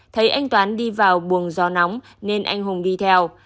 thấy anh toán đi vào buồng gió nóng nên anh hùng đi theo